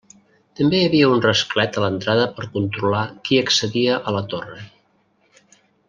També hi havia un rasclet a l'entrada per controlar qui accedia a la torre.